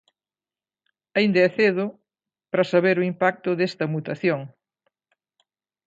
Aínda é cedo para saber o impacto desta mutación.